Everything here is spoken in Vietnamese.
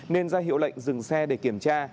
nên ra hiệu lệnh dừng xe để kiểm tra